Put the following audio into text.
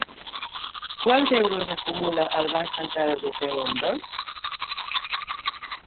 Quants euros acumula el Banc Central Europeu en bons?